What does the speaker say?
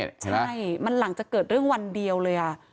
ใช่มันหลังจากเกิดเรื่องวันเดียวเลย